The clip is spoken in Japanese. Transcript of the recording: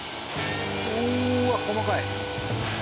うわ細かい！